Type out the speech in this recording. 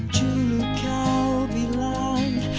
dulu kau bilang